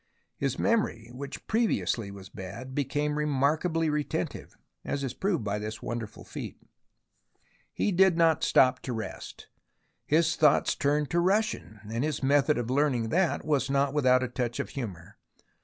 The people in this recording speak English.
His memory, which previously was bad, became remarkably retentive, as is proved by this wonderful feat. He did not stop to rest. His thoughts turned to Russian, and his method of learning it was not without a touch of humour.